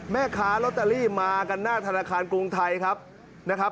แม่ค้าลอตเตอรี่มากันหน้าธนาคารกรุงไทยครับนะครับ